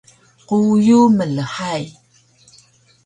quyu mlhay